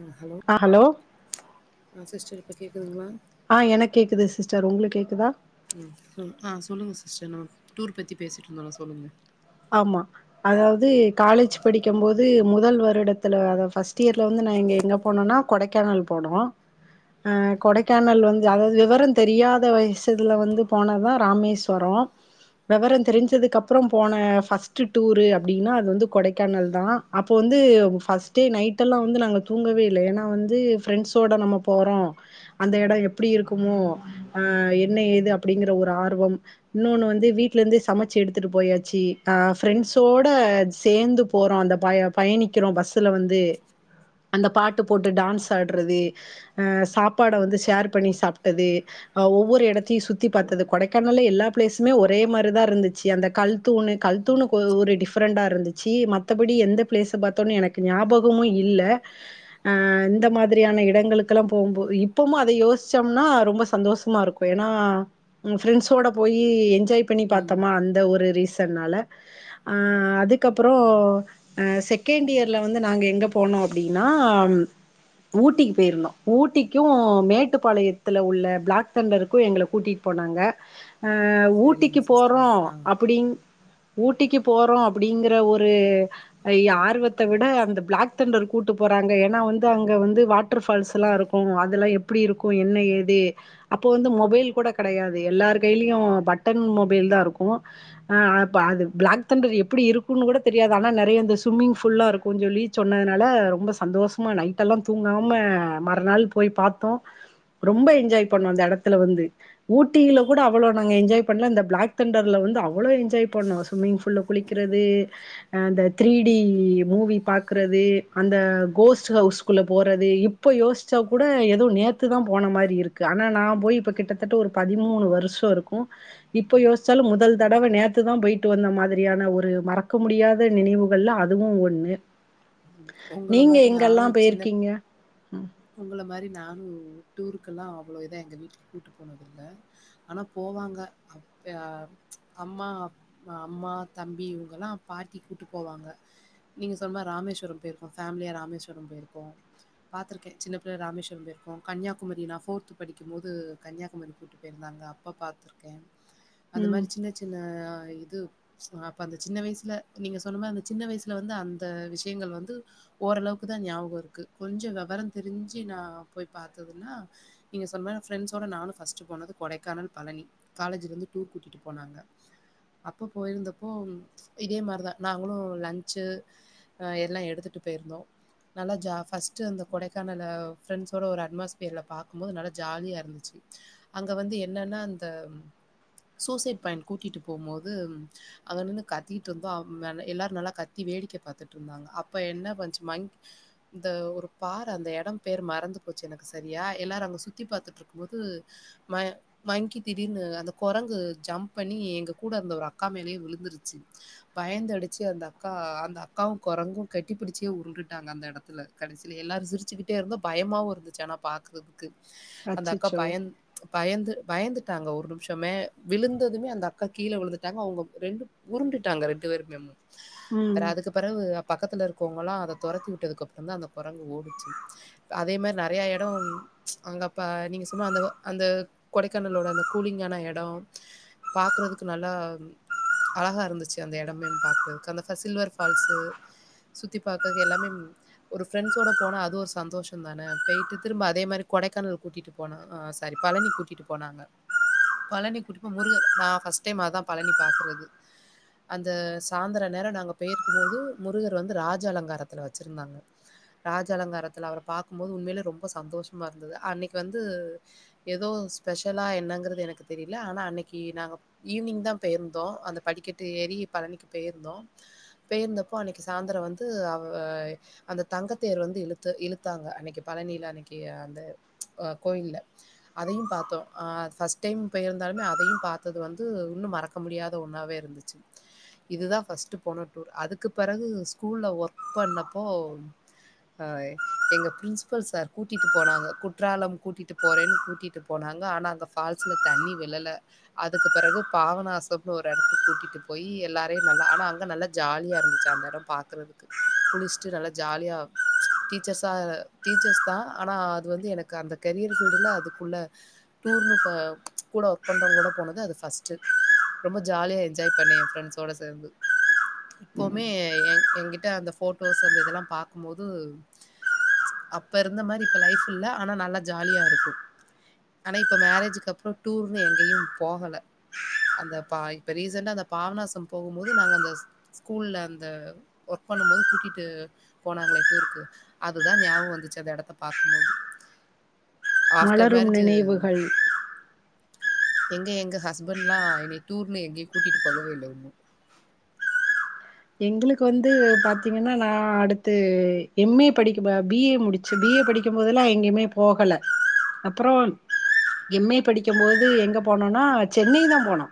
ஆ hello ஆ sister இப்ப கேக்குதுங்ளா ஆ எனக்கு கேக்குது சிஸ்டர் உங்களுக்கு கேக்குதா சமூக டூர் பத்தி பேசிட்டுருந்தோல்ல சொல்லுங்க ஆமா அதாவ்து காலேஜ் படிக்கும் போது முதல் வருடத்துல அத ஃபஸ்ட்டு இயர்ல வந்து நா எங்க எங்க போனோனா கொடைக்கானல் போனோ ஆ கொடைக்கானல் வந்து அதாவ்து விவரந்தெரியாத வயசுல வந்து போனதா ராமேஸ்வரோ வெவரந்தெரிஞ்சதுக்கு அப்றோ போன ஃபர்ஸ்ட் டூரு அப்டின்னா அது வந்து கொடைக்கானல் தா அப்போ வந்து ஃபர்ஸ்ட் டே நைட்டெல்லா வந்து நாங்க தூங்கவேல்ல ஏனா வந்து ஃப்ரெண்ட்ஸோட நம்ம போறோ அந்த எடோ எப்டி இருக்குமோ ஆ என்ன ஏது அப்டிங்கிற ஒரு ஆர்வம் இன்னொன்னு வந்து வீட்லருந்தே சமச்சு எடுத்துட்டு போயாச்சு ஆ ஃப்ரெண்ட்ஸோட சேந்து போறோ அந்த பய பயணிக்கிறோ பஸ்ஸுல வந்து அந்த பாட்டு போட்டு டான்ஸ் ஆடுறது ஆ சாப்பாட வந்து ஷேர் பண்ணி சாப்ட்டது ஒவ்வொரு எடத்தையூ சுத்தி பாத்தது கொடைக்கானல்ல எல்லா ப்ளேஸுமே ஒரே மாரிதாருந்துச்சு அந்த கல் தூணு கல்தூணுக் ஒ ஒரு டிஃபரெண்டா இருந்துச்சி மத்தபடி எந்த பிளேஸ் பாத்தோனு எனக்கு ஞாபகமூ இல்ல ஆ இந்த மாத்ரியான எடங்களுக்குல்லா போம்போ இப்பம அத யோசிச்சம்னா ரொம்ப சந்தோஷமாருக்கூ ஏனா ஃப்ரண்ட்ஸோட போய் என் ஜாய் பண்ணி ம் பாத்தோமா அந்த ஒரு ரீஸ் சன்னால ஆ அதுக்கப்றோ ஆ செகண்ட் இயர்ல வந்து நாங்க எங்க போனோ அப்டின்னா ஊட்டிக்கு போயிருந்தோ ஊட்டிக்கூ மேட்டுப்பாளையத்துல உள்ள பிளாக் தண்டருக்கூ எங்கள கூட்டிட்டு போனாங்க ஆ ஊட்டிக்கு சரிங்க சிஸ்டர் போறோ ஆ அப்டின் ஊட்டிக்கு போறோ அப்டிங்கற ஒரு ஆர்வத்த விட அந்த பிளாக் தண்டர் கூட்டு போறாங்க ஏனா வந்து அங்க வந்து வாட்டர்ஃபால்ஸ்லா இருக்கூ அதெல்லா எப்டி இருக்கூ என்ன ஏது அப்போ வந்து மொபைல் கூட கெடையாது எல்லார் கையிலயூ பட்டன் மொபைல் தா இருக்கூ ஆ ப அது பிளாக் தண்டர் எப்டிருக்கூனு கூட தெரியாது ஆனா நறைய இந்த ஸ்விம்மிங் ஃபுல்லா இருக்கூஞ்சொல்லி சொன்னதுனால ரொம்ப சந்தோஷமா நைட் எல்லா தூங்காம மறுநாள் போய் பாத்தோ ரொம்ப என்ஜாய் பண்ணோ அந்த எடத்துல வந்து ஊட்டியில கூட அவ்ளோ நாங்க என்ஜாய் பண்ல அந்த பிளாக் தண்டர்ல வந்து அவ்ளோ என்ஜாய் பண்ணோ ஸ்விம்மிங் ஃபுல்ல குளிக்கிறது அந்த த்ரீ டி மூவி பாக்றது அந்த கோஸ்ட் ஹவுஸ்க்குள்ளே போறது இப்போ யோசிச்சா கூட ஏதோ நேத்து தா போன மாரி இருக்கு ஆனா நா போய் இப்ப கிட்டத்தட்ட ஒரு பதிமூணு வருஷோ இருக்கூ இப்ப யோசிச்சாலூ முதல் தடவ நேத் த்து தா போயிட்டு வந்த மாத்ரியான ஒரு மறக்க முடியாத நினைவுகள்ல அதுவூ ஒன்னு உங்கள மாரி நானூ சின்னப் போயிருக்கீங்க உங்கள மாரி நானூ டூருக்கெல்லா அவ்ளோ இதா எங்க வீட்டுக் கூட்டு போனதில்ல ஆனா போவாங்க அப் அ அம்மா அப் அம்மா தம்பி இவங்கல்லா பாட்டி கூட்டு போவாங்க நீங்க சொன்ன ராமேஸ்வரோ போயிருக்கோ ஃபேமிலியா ராமேஸ்வரோ போயிருக்கோம் பாத்துக்க ஓகே சின்ன புள்ள ராமேஸ்வரோ போயிருக்கோ கன்னியாகுமரி நா ஃபோர்த் படிக்கும் போது கன்னியாகுமரி கூட்டி போயிருந்தாங்க அப்ப பாத்ருக்கே அந்த ம் மாரி சின்ன சின்ன இது அப்ப அந்த சின்ன வயசுல நீங்க சொன்ன மா அந்த சின்ன வயசுல வந்து அந்த விஷயங்கள் வந்து ஓரளவுக்குதா ஞாபகோ இருக்கு கொஞ்சோ வெவரந் தெரிஞ்சு நா போய் பாத்ததுன்னா நீங்க சொன்ன மாரி ஃப்ரண்ட்ஸோட நானூ ஃபர்ஸ்ட்டு போனது கொடைக்கானல் பழனி காலேஜ்லருந்து டூர் கூட்டிட்டு போனாங்க அப்போ போயிருந்தப்போ இதே மாரிதா நாங்களூ லன்ச்சு எல்லா எடுத்துட்டு போயிருந்தோ நல்லா ஜா ஃபஸ்ட்டு அந்த கொடைக்கானல ஃப்ரெண்ட்ஸோட ஒரு அட்மாஸ்பியர்ல பாக்கும்போது நல்லா ஜாலியாருந்துச்சு அங்க வந்து என்னன்னா அந்த சூசைட் பாயிண்ட் கூட்டிட்டு போம்போது அங்க நின்னு கத்திட்டு இருந்தோ அம் மேல எல்லாரூ நல்லா கத்தி வேடிக்க பாத்துட்ருந்தாங்க அப்போ என்ன பண்ச்சி மங்க் இந்த ஒருக் பார் அந்த எடம் பேர் மறந்து போச்சு எனக்கு சரியா எல்லாரூ அங்க சுத்தி பாத்துட்ருக்கும் போது ம மங்கி திடீர்னு அந்த கொரங்கு ஜம்ப் பண்ணி எங்க கூட இருந்த ஒரு அக்கா மேலேயே விழுந்துருச்சு பயந்து அடிச்சு அந்த அக்கா அந்த அக்காவூ கொரங்கூ கட்டிப்பிடிச்சே உருள்டுட்டாங்க அந்த எடத்துல கடஸ் இல எல்லாரூ சிரிச்சுக்கிட்டே இருந்தோ பயமாவூ இருந்துச்சு ஆனா பாக்குறதுக் கு அந்த அக்கா அச்சச்சோ பயந்த் பயந்து பயந்துட்டாங்க ஒரு நிமிஷமே விழுந்ததுமே அந்த அக்கா கீழே விழுந்துட்டாங்க அவங்க ரெண்டு உருண்டுட்டாங்க ரெண்டு பேரும ம் ப்ற அதுக்கு பெறவு பக்கத்துல இருக்கவங்களா அத துரத்தி விட்டதுக்கப்றந்தா அந்த கொரங்கு ஓடுச்சு அதே மாரி நெறையா எடொம் அங்கப்ப நீங்க சும்மா அந்த அந்த கொடைக்கானலோட அந்த கூலிங்கான எடோ பாக்குறதுக்கு நல்லா அழகா இருந்துச்சு அந்த எடமே பாக்குறதுக்கு அந்த ப சில்வர் ஃபால்ஸு சுத்தி பார்க்கர்க்கு எல்லாமேம் ஒரு ஃப்ரெண்ட்ஸோடு போனா அது ஒரு சந்தோஷொந்தானே பெய்ட்டு திரும்ப அதே மாரி கொடைக்கானல் கூட்டிட்டு போனா ஆ சாரி பழனி கூட்டிட்டு போனாங்க பழனி கூட்டிப்போ முருகர் நா ஃபஸ்ட் டைம் அதா பழனி பாக்கறது அந்த சாந்தர நேரொ நாங்க பெயிர்க்கும் போது முருகர் வந்து ராஜ அலங்காரத்துல வச்சுருந்தாங்க ராஜ அலங்காரத்துல அவர பாக்கும் போது உண்மைலே ரொம்ப சந்தோஷமா இருந்தது அன்னைக்கு வந்து ஏதோ ஸ்பெஷலா என்னங்றது எனக்கு தெரியல ஆனா அன்னைக்கு நாங்க ஈவினிங் தா பெயிர்ந்தோ அந்த படிக்கட்டு ஏறி பழனிக்கு பெயிருந்தோ பெய்யிர்ந்தப்போ அன்னைக்கு சாந்தர வந்து அவ் அ அந்த தங்கத்தேர் வந்து இழுத்து இழுத்தாங்க அன்னைக்கு பழனியில் அன்னைக்கு அந்த கோயில்ல அதையு பாத்தோ அ ஃபஸ்ட் டைம் போயிருந்தாலுமே அதையும் பாத்தது வந்து இன்னும் மறக்க முடியாத ஒன்னாவே இருந்துச்சு இதுதா ஃபர்ஸ்ட்டு போன டூர் அதுக்கு பெறகு ஸ்கூல்ல ஒர்க் பண்ணப்போ ஹ எங்க பிரின்சிபல் சார் கூட்டிட்டு போனாங்க குற்றாலம் கூட்டிட்டு போறேன்னு கூட்டிட்டு போனாங்க ஆனா அங்க ஃபால்ஸ்ல தண்ணி விழல அதுக்கு பெறகு பாவநாசம்னு ஒரு எடத்துக்கு கூட்டிட்டு போய் எல்லாரையு நல்லா ஆனா அங்க நல்லா ஜாலியா இருந்துச்சு அந்த எடம் பாக்குறதுக்கு குளிச்ட்டு நல்லா ஜாலியா டீச்சர்ஸா டீச்சர்ஸ் தான் ஆனா அது வந்து எனக்கு அந்த கெரியர் ஃபீல்டுல அதுக்குள்ள டூர்ன்னு ப கூட ஒர்க் பண்றவங்கலோட போனது அது ஃபர்ஸ்ட்டு ரொம்ப ஜாலியா என்ஜாய் பண்ணே ஏ ஃப்ரெண்ட்ஸோட சேந்து இப்பவுமே ஏங் எங்கிட்ட அந்த போட்டோஸ் அந்த இதெல்லா பாக்கும்போது அப்ப இருந்த மாரி இப்ப லைஃப் இல்ல ஆனா நல்லா ஜாலியா இருக்கு ஆனா இப்பொ மேரேஜுக்கு அப்றொ டூர்ன்னு எங்கேயு போகல அந்த பா இப்ப ரீசண்டா அந்த பாாவநாசம் போகும் போது நாங்க அந்த ஸ் ஸ்கூல்ல அந்த ஒர்க் பண்ணும் போது கூட்டிட்டு போனாங்ளே டூருக்கு அதுதா ஞாபகொ வந்துச்சு அந்த எடத்த பாக்கும்போது ஆஃப்டர் மலரும் மேரேஜ் நினைவுகள் எங்க எங்க ஹஸ்பண்ட்லா என்னைய டூர்னு எங்கேயு கூட்டிட்டு போகவே இல்லை ஒண்ணு எங்களுக்கு வந்து பாத்திங்கனா நா அடுத்து எம் ஏ படிக்க பி ஏ முடிச்சு பி ஏ படிக்கும்போதெல்லா எங்கேயுமே போகல அப்பறோ எம் ஏ படிக்கும்போது எங்க போனோன்னா சென்னை தா போனோ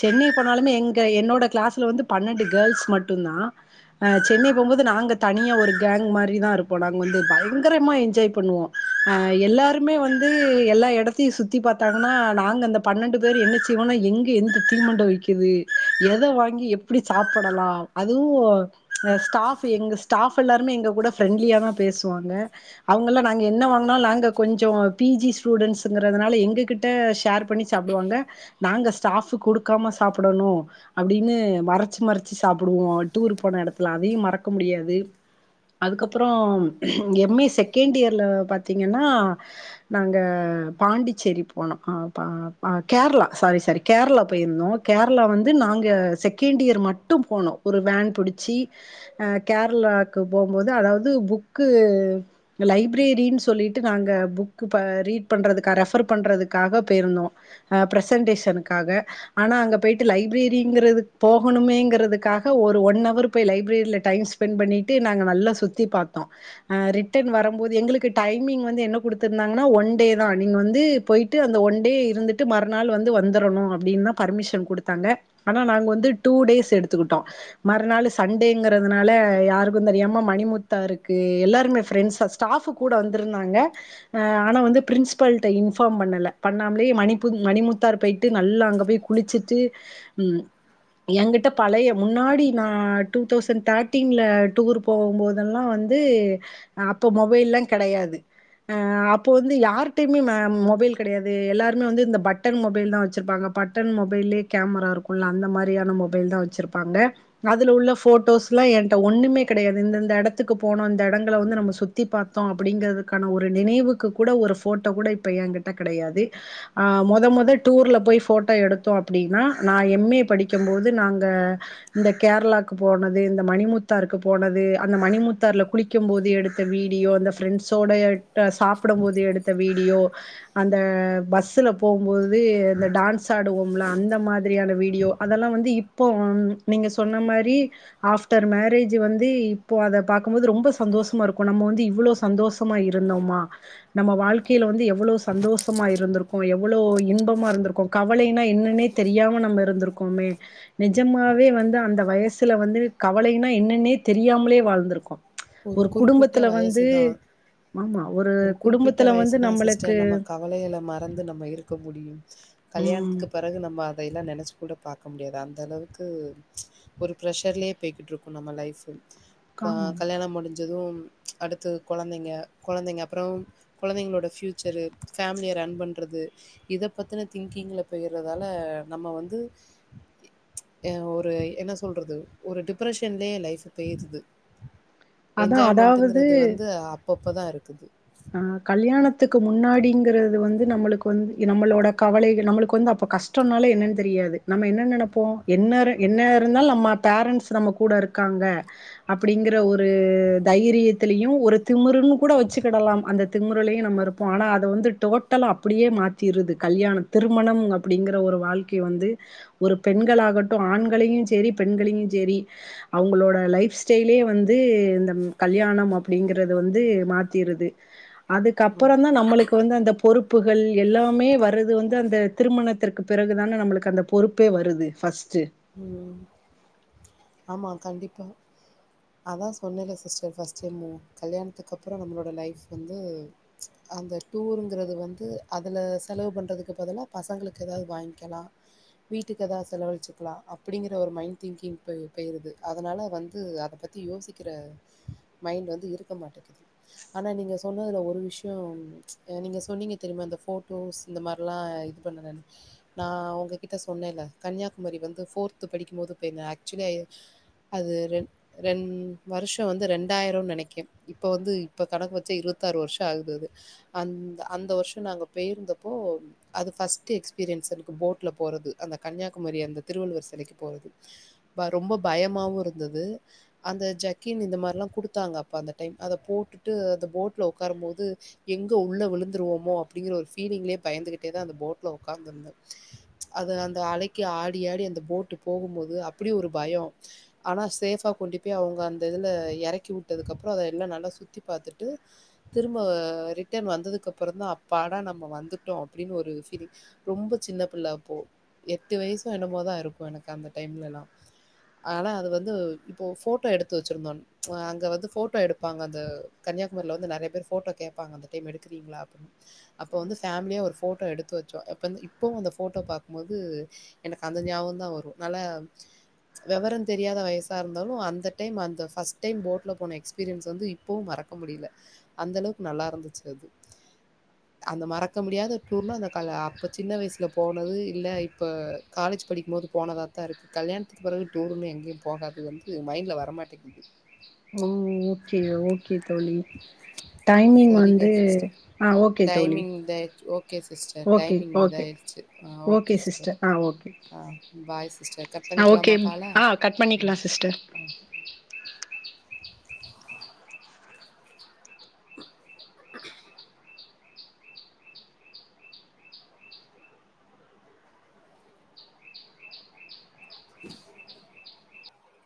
சென்னை போனாலுமே எங்க என்னோட கிளாஸ்ல் வந்து பன்னெண்டு கேர்ள்ஸ் மட்டுந்தா அ சென்னை போம்போது நாங்க தனியா ஒரு கேங் மாரிதா இருப்போ நாங்க வந்து பயங்கரமா என்ஜாய் பண்ணுவோ எல்லாருமே வந்து எல்லா எடத்தையு சுத்தி பாத்தாங்கனா நாங்க அந்த பன்னெண்டு பேரு என்ன செய்வோனா எங்க எந்த தீமண்டொ விக்குது எதை வாங்கி எப்டி சாப்படலா அதுவு அ ஸ்டாஃப் எங்க ஸ்டாஃப் எல்லாருமே எங்க கூட ஃப்ரெண்ட்லியா தா பேசுவாங்க அவங்கல்லா நாங்க என்ன வாங்னாலு நாங்க கொஞ்சொ பிஜி ஸ்டூடெண்ட்ஸ்ஸுங்குறதுனால எங்க கிட்ட ஷேர் பண்ணி சாப்டுவாங்க நாங்க ஸ்டாஃப்ஸ் குடுக்காம சாப்டணு அப்டின்னு மறச்சு மறச்சு சாப்டுவோ டூர் போன எடத்துல அதையு மறக்க முடியாது அதுக்கப்புறோ எம் ஏ செகண்ட் இயர்ல பாத்தீங்கனா நாங்க பாண்டிச்சேரி போனோம் அ ப அ கேரளா சாரி சாரி கேரளா போயிருந்தோ கேரளா வந்து நாங்க செகண்ட் இயர் மட் ட்டு போனோ ஒரு வேன் புடிச்சி ஆ கேரளாக்கு போம்போது அதாவது புக்கு லைப்ரேரின் சொல்லிட்டு நாங்க புக்கு ப ரீட் பன்றதுக்கா ரெஃபர் பண்றதுக்காக பெயிருந்தோ ஆ ப்ரசன்டேஷனுக்காக ஆனா பெய்ட்டு லைப்ரேரிங்றது போகணுமேங்க ன்றதுக்காக ஒரு ஒன் அவர் பொய் லைப்ரேரில டைம் ஸ்பென்ட் பண்ணிட்டு நாங்க நல்லா சுத்தி பாத்தோ ஆ ரிட்டன் வரும்போது எங்களுக்கு டைமிங் வந்து என்ன குடுத்துருந்தாங்கனா ஒன் டே தா நீங்க வந்து பொய்ட்டு அந்த ஒன் டே இருந்துட்டு மறுநாள் வந்து வந்துரனு அப்டின்தா பர்மிஷன் குடுத்தாங்க ஆனா நாங்க வந்து டூ டேஸ் எடுத் துகுட்டோ மறுநாளு சண்டேங்குறதுனால யாருக்கு தெரியாம மணிமுத்தாருக்கு எல்லாருமே பிரண்ட்ஸா ஸ்டாஃப்பு கூட வந்துருந்தாங்க அ ஆனா வந்து ப்ரின்ஸ்ஸிபல்ட இன்பார்ம் பண்ணல பண்ணாம்லே மணிபுத் மணிமுத்தாறு பொயிட்டு நல்லா அங்க போய் குளிச்சிட்டு ம் எங்கிட்ட பழைய முன்னாடி நா டூ தௌசண் தேட்டீன்ல டூர் போகும்போதெல்லா வந்து அப்போ மொபைல்லா கெடையாது அ அப்ப வந்து யார்ட்டைமே மெ மொபைல் கெடையாது எல்லாருமே வந்து இந்த பட்டன் மொபைல் தா வச்சுர்ப்பாங்க பட்டன் மொபைல்லே கேமரா இருக்குல்ல அந்த மாரியான மொபைல் தான் வ ச்சிருப்பாங்க அதுல உள்ள போட்டோஸ்லா ஏன்ட்ட ஒண்ணுமே கெடையாது இந்தந்த எடத்துக்கு போனோ இந்த எடங் கள வந்து நம்ம சுத்தி பாத்தோ அப்டிங்கது க்கான ஒரு நினைவுக்கு கூட ஒரு போட்டோ கூட இப்ப ஏங்கிட்ட கெடையாது ஆ மொத மொத டூர்ல பொய் போட்டோ எடுத்தோ அப்டீனா நா எம் ஏ படிக்கம்போது நாங் க இந்த கேரளாக்கு போனது இந்த மணிமுத்தாருக்கு போனது அந்த மணிமுத்தார்ல குளிக்கம் போது எடுத்த வீடியோ அந்த ஃப்ரெண்ட்ஸோட ட சாப்டம் போது எடுத்த வீடியோ அந்த பஸ்ல போம்போது அந்த டான்ஸ் ஆடுவோம்லா அந்த மாதிரியான வீடியோ அதெல்லா வந்து இப் போ நீங்க சொன்ன மாரி ஆஃப்டர் மேரேஜு வந்து இப்போ அத பாக்கும்போது ரொம்ப சந்தோஷமா இருக்கு நம்ம வந்து இவ்ளோ சந்தோஷமா இருந்தோமா நம்ம வாழ்க்கைல வந்து எவ்ளோ சந்தோஷமா இருந்துருக்கோ எவ்ளோ இன்பமா இருந்துருக்கோ கவலைனா என்னனே தெரியாம நம்ம இருந்துருக்கோமே நெஜமாவே வந்து அந்த வயசுல வந்து கவலைனா என்னன்னே தெரியாமலே வாழ்ந்துருக்கோ ஒரு குறிப்பிட்ட வயசுதா ஆமா ஒரு குறிப்பிட்ட குடும்பத்துல வந்து வயசுதா நம்மளுக்கு சிஸ்டர் நம்ம கவலைகள மறந்து நம்ம இருக்க முடியும் ம் கல்யாணத்துக்கு பெறகு நம்ம அதைல்லா நெனச்சு கூட பாக்க முடியாது அந்த அளவுக்கு ஒரு ப்ரெஷர்லே பெய்கிட்ருக்கு நம்ம லைஃப்பு கா முடிஞ்சதும் அடுத்தது கொழந்தைங்க கொழந்தைங்க அப்றோ குழந்தைங்ளோட ஃப்யூச்சரு ஃபேமிலிய ரன் பண்றது இத பத்துன திங்கிங்ல பொய்றதால நம்ம வந்து எ ஒரு என்ன சொல்றது ஒரு டிப்ரெஷன்லே லைஃப் பெய்ருது அதான் அதாவது என்ஜாய்மெண்ட்டுங்குறது வந்து அப் அப்பப்ப தா இருக்குது ஆ கல்யாணத்துக்கு முன்னாடிங்றது வந்து நம்மளுக்கு வந்து நம்மளோட கவலை நம்மளுக்கு வந்து அப்ப கஷ்டோன்னாலே என்னன் தெரியாது நம்ம என்ன நெனப்போ என்னர என்ன இருந்தாலு நம்ம பேரண்ட்ஸ் நம்ம கூட இருக்காங்க அப்டிங்குற ஒரு தைரியத்திலயு ஒரு திமுருன்னு கூட வச்சு கிடலாம் அந்த திமுருலயு நம்ம இருப்போ ஆனா அது வந்து டோட்டலா அப்டியே மாத்திருது கல்யாண திருமணம் அப்டிங்குற ஒரு வாழ்க்கை வந்து ஒரு பெண்களாகட்டு ஆண்களையு சேரி பெண்களையு சேரி அவங்களோட லைப் ஸ்டைலே வந்து இந்த கல்யாணம் அப்டிங்கறது வந்து மாத் திருது அதுக்கப்பறந்தா நம்மளுக்கு வந்து அந்த பொறுப்புகள் எல்லாமே வரது வந்து அந்த திருமணத்திற்கு பிறகுதான நம்மளுக்கு அந்த பொறுப்பே வருது ஃபஸ்ட்டு ஆமாம் கண்டிப்பா அதா சொன்னனே சிஸ்டர் ஃபர்ஸ்ட் டைம்மு கல்யாணத்துக் கப்றோ நம்ளோட லைஃப் வந்து ச்ச அந்த டூருங்கிறது வந்து அதுல செலவு பண்றதுக்கு பதிலா பசங்களுக்கு எதாவது வாயிங்க்கெலா வீட்டுக்கு எதா செலவழிச்சுக்லா அப்டிங்கிற ஒரு மைண்ட் தின்கிங் ப பெய்றது அதனால வந்து அத பத்தி யோசிக்கிற மைண்ட் வந்து இருக்க மாட்டேக்கிது ஆனா நீங்க சொன்னதுல ஒரு விஷ்யோ ச்ச நீங்க சொன்னீங்க தெரிமா அந்த ஃபோட்டோஸ் இந்த மார்லா இது பண்ணுன‌னு நா உங்க கிட்ட சொன்னேல கன்யாகுமரி வந்து ஃபோர்த் படிக்கும் போது போயிர்ந்த அக்சுவலி ஐ அது ரெண் ரெண் வருஷோ வந்து ரெண்டாயிரோன்னு நெனைக்கிர் இப்ப வந்து இப்ப கணக் வச்சா இருவத்தாறு வருஷோ ஆகுது அது அந் அந்த வருஷோ நாங்க பேய்ர்ந்தப்போ அது ஃபர்ஸ்ட்டு இக்ஸ்பீரியன்ஸ் அவுளுக்கு போட்ல போறது அந்த கன்யாகுமரி அந்த திருவள்ளுவர் செலைக்கு போறது வர் ரொம்ப பயமாவு இருந்தது அந்த ஜக்கின் இந்த மார்லா குடுத்தாங்க அப்ப அந்த டைம் அத போட்டுட்டு அந்த போட்ல உக்காரம்போது எங்க உள்ள விழுந்துருவோமோ அப்டிங்குற ஒரு ஃபீலிங்லே பயந்துக்கிட்டே தா அந்த போட்ல உக்காந்துருந்தே ச்ச அது அந்த அலைக்கு ஆடி ஆடி அந்த போட்டு போவும்போது அப்டி ஒரு பயோ ஆனா சேஃப்பா கொண்டு போய் அவுங்க அந்த இதுல எறக்கி உட்டதுக்கு அப்றோ அத எல்லா நல்லா சுத்தி பாத்துட்டு திரும்ப ரிட்டன் வந்ததுக்கப்புறோதா அப்பாடா நம்ம வந்துட்டோ அப்டின் ஒரு ஃபீலிங் ரொம்ப சின்ன பிள்ள அப்போ எட்டு வயசோ என்னமோதா இருக்கோ எனக்கு அந்த டைம்லலா ஆல அது வந்து இப்போ ஃபோட்டோ எடுத்து வச்சிருந்தோ‌ ச்ச வா அங்க வந்து ஃபோட்டோ எடுப்பாங்க அந்த கன்னியாகுமரில வந்து நெறைய பேர் ஃபோட்டோ கேப்பாங்க அந்த டைம் எடுக்குறீங்ளா அப்ப வந்து ஃபேமிலியா ஒரு போட்டோ எடுத்து வெச்சோ எப்பன்னு இப்போவு அந்த ஃபோட்டோ பாக்கும்போது எனக்கு அந்த ஞாபகதா வரு நல்லே வெவரோ தெரியாத வயசா இருந்தாலு அந்த டைம் அந்த ஃபர்ஸ்ட் டைம் போட்ல போன இக்ஸ்பீரியன்ஸ் வந்து இப்பவு மறக்க முடில அந்த அளவுக் நல்லா இருந்துச்சு அது அந்த மறக்க முடியாத டூர்னா அந்த கால அப்ப சின்ன வயசுல போனது இல்ல இப்ப காலேஜ் படிக்கும் போது போனதாத இருக்கு கல்யாணத்துக்கு பெறவு டூருமே எங்கயு போகாது வந்து மைண்ட்ல வரமாட்டேக்கிது ஓ ஓகே ஓகே தோழி டைமிங் சரிங்க வந்து சிஸ்டர் ஆ ஓகே தோழி டைமிங் இதாயிடுச்சு okay sister okay timing okay இதாயிடுச்சு ஆ ஓகே சிஸ்டர் ஆ ஓ ஆ பாய் சிஸ்டர் கட் ஓகே பண்ணிக்லாமா கால ஆ கட் பண்ணிக்கலா சிஸ்டர்